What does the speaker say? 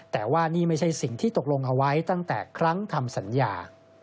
แต่ว่านี่ไม่ใช่สิ่งที่ตกลงเอาไว้ตั้งแต่ครั้งทำสัญญา